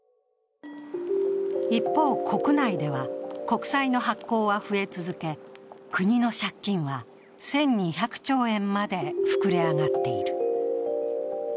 一方、国内では国債の発行は増え続け、国の借金は１２００兆円まで膨れ上がっている。